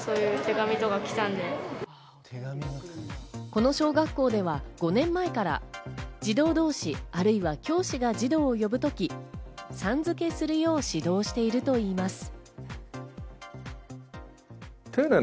この小学校では５年前から児童同士、あるいは教師が児童を呼ぶとき、さん付けするよう指導しているといいます。